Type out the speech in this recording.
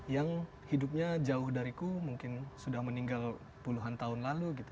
yang hidupnya jauh dariku mungkin sudah meninggal puluhan tahun lalu gitu